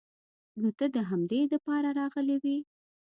نو ته د همدې د پاره راغلې وې.